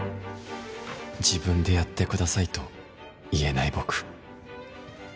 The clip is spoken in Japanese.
自分でやってくださいと言えない僕